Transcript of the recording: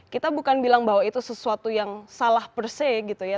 kita bukan bilang bahwa itu sesuatu yang salah perse gitu ya